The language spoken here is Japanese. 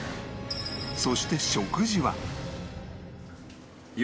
そして食事は